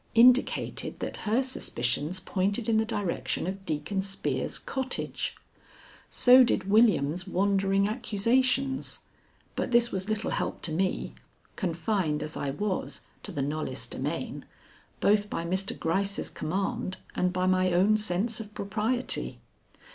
indicated that her suspicions pointed in the direction of Deacon Spear's cottage; so did William's wandering accusations: but this was little help to me, confined as I was to the Knollys demesnes, both by Mr. Gryce's command and by my own sense of propriety.